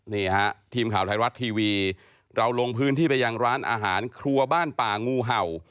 นี่ฮะทีมข่าวไทยรัฐทีวีเราลงพื้นที่ไปยังร้านอาหารครัวบ้านป่างูเห่า